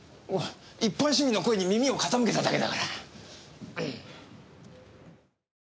一般市民の声に耳を傾けただけだから。